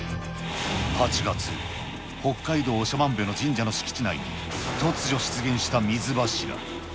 ８月、北海道長万部の神社の敷地内に突如出現した水柱。